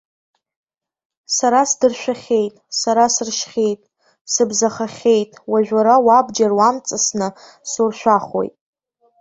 Сара сдыршәахьеит, сара сыршьхьеит, сыбзахахьеит, уажә уара уабџьар уамҵасны суршәахуеит!